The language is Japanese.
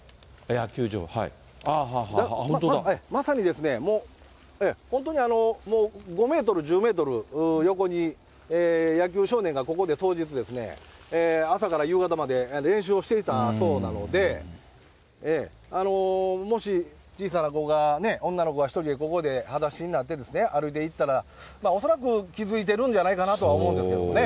野球場、まさに、本当に５メートル、１０メートル横に、野球少年がここで当日、朝から夕方まで練習をしていたそうなので、もし、小さな子が、女の子が１人でここではだしになって歩いていったら、恐らく気付いてるんじゃないかなとは思うんですけどね。